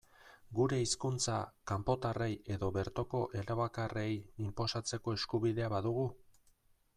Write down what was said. Gure hizkuntza, kanpotarrei edo bertoko elebakarrei, inposatzeko eskubidea badugu?